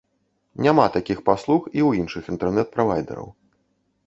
Няма такіх паслуг і ў іншых інтэрнэт-правайдараў.